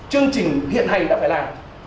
chương trình hiện hành đã phải làm